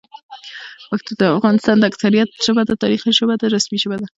پښتو د افغانستان د اکثریت ژبه ده، تاریخي ژبه ده، رسمي ژبه ده